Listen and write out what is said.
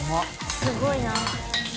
すごいな。